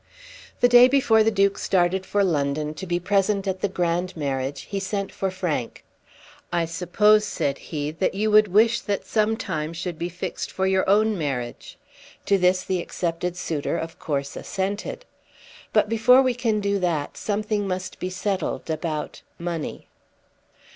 The day before the Duke started for London to be present at the grand marriage he sent for Frank. "I suppose," said he, "that you would wish that some time should be fixed for your own marriage." To this the accepted suitor of course assented. "But before we can do that something must be settled about money."